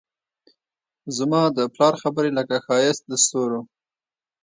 زما د پلار خبرې لکه ښایست دستورو